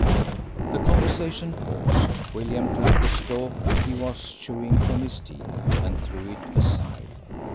The conversation paused. William took the stalk he was chewing from his teeth, and threw it aside.